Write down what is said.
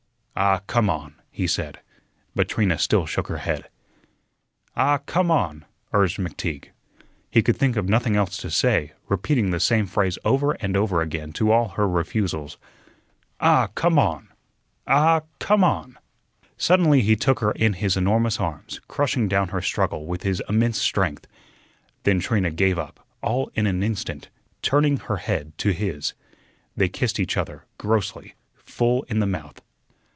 "Ah, come on," he said, but Trina still shook her head. "Ah, come on," urged McTeague. He could think of nothing else to say, repeating the same phrase over and over again to all her refusals. "Ah, come on! Ah, come on!" Suddenly he took her in his enormous arms, crushing down her struggle with his immense strength. Then Trina gave up, all in an instant, turning her head to his. They kissed each other, grossly, full in the mouth.